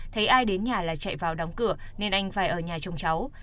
thấy ai đến nhà là chạy vào đóng cửa nên anh phải ở nhà chung cháu